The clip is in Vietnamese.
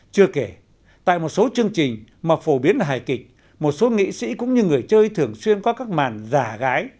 chưa kể tại một số chương trình mà phổ biến là hài kịch một số nghị sĩ cũng như người chơi thường xuyên có các màn giả gái